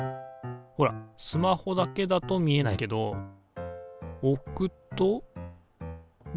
ほらスマホだけだと見えないけど置くと見える。